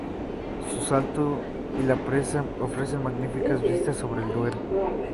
Su salto y la presa, ofrecen magníficas vistas sobre el Duero.